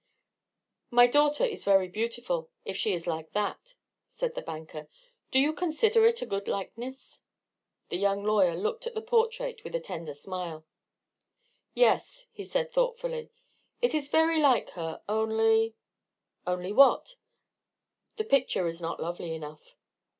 "My daughter is very beautiful, if she is like that," said the banker; "do you consider it a good likeness?" The young lawyer looked at the portrait with a tender smile. "Yes," he said, thoughtfully, "it is very like her—only——" "Only what?" "The picture is not lovely enough."